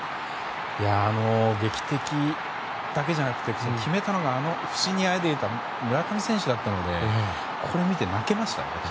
いや、劇的だけじゃなくて決めたのが不振にあえいでいた村上選手だったのでこれを見て泣けましたね、私。